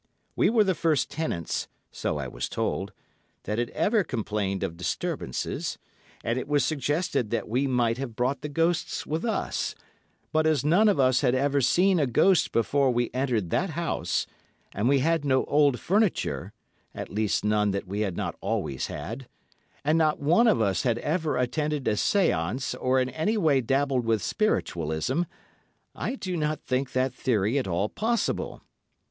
We were the first tenants, so I was told, that had ever complained of disturbances, and it was suggested that we might have brought the ghosts with us, but as none of us had ever seen a ghost before we entered that house, and we had no old furniture, at least none that we had not always had, and not one of us had ever attended a séance or in any way dabbled with Spiritualism, I do not think that theory at all possible.